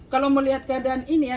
kalau melihat keadaan ini ya